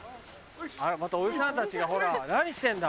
またおじさんたちがほら何してんだ！